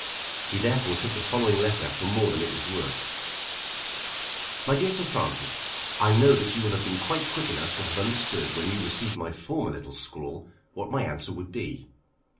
He therefore took the following letter for more than it was worth. MY DEAR SIR FRANCIS, I know that you will have been quite quick enough to have understood when you received my former little scrawl what my answer would be.